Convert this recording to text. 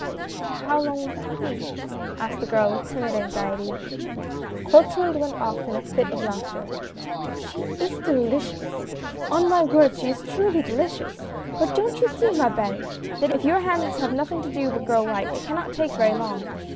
" And how long will that be ?" asked the girl, with timid anxiety. Clotilde went off in a fit of laughter. " She is delicious ! on my word she is truly delicious I But don't you see, ma helle, that if your hands have nothing to do but grow white, that it cannot take very long.